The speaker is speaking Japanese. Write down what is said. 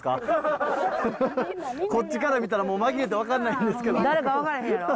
こっちから見たらもう紛れて分かんないんですけど。